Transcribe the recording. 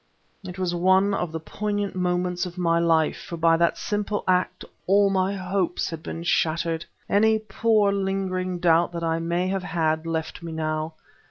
It was one of the poignant moments of my life; for by that simple act all my hopes had been shattered! Any poor lingering doubt that I may have had, left me now.